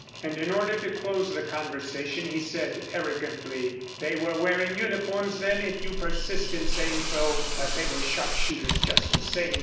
And in order to close the conversation, he said, arrogantly: "They were wearing uniforms, then, if you persist in saying so, but they were sharpshooters just the same.